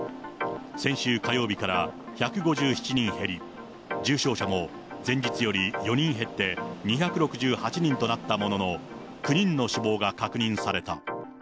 先週火曜日から１５７人減り、重症者も前日より４人減って、２６８人となったものの、９人の死亡が確認された。